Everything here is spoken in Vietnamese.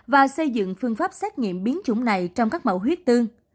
và xây dựng phương pháp xét nghiệm biến chủng này trong các mẫu huyết tương